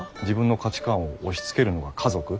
自分の価値観を押しつけるのが家族？